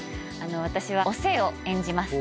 私はお勢を演じます。